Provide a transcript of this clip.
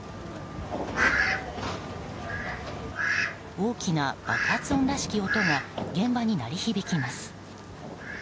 大きな爆発音らしき音が現場に鳴り響きます。